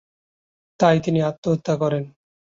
তাই তিনি আত্মহত্যা করেন।